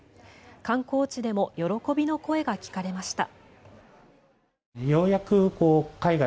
観光地でも喜びの声が聞かれました。